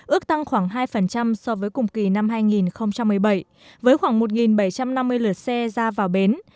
ước tăng khoảng hai so với cùng kỳ năm hai nghìn một mươi bảy với khoảng một bảy trăm năm mươi lượt xe ra vào bến